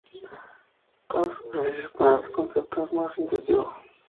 Para superficies planas el concepto es más intuitivo.